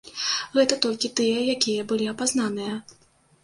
Гэта толькі тыя, якія былі апазнаныя.